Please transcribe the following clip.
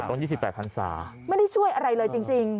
โอ้โฮบทตั้ง๒๘๐๐๐ศาไม่ได้ช่วยอะไรเลยจริง